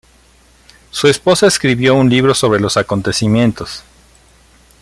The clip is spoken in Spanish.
Su esposa escribió un libro sobre los acontecimientos.